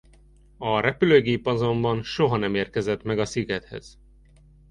A repülőgép azonban soha nem érkezett meg a szigethez.